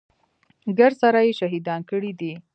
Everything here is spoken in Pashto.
ګرد سره يې شهيدان کړي دي.